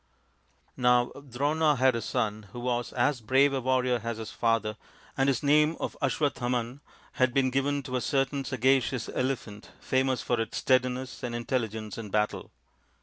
Now Drona had a son who was as brave a warrior as his father, and his name of Aswa thaman had been given to a certain sagacious elephant famous for its steadiness and intelligence in battle.